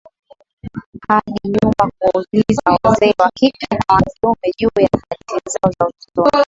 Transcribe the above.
Hadi nyumba kuwauliza wazee wa kike na wa kiume juu ya hadithi zao za utotoni.